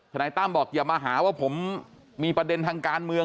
นายตั้มบอกอย่ามาหาว่าผมมีประเด็นทางการเมือง